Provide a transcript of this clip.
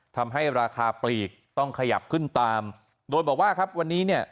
ทำให้ราคาปลีกต้องขยับขึ้นตามโดยบอกว่าครับวันนี้เนี่ย